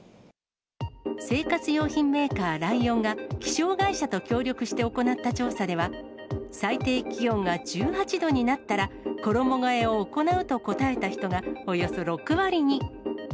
生活用品メーカー、ライオンが、気象会社と協力して行った調査では、最低気温が１８度になったら、衣がえを行うと答えた人がおよそ６割に。